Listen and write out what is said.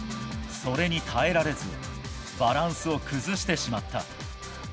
それに耐えられずバランスを崩してしまった。